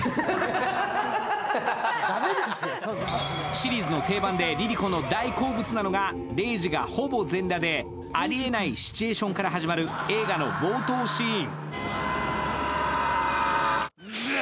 シリーズの定番でＬｉＬｉＣｏの大好物なのが玲二がほぼ全裸で、あり得ないシチュエーションから始まる映画の冒頭シーン。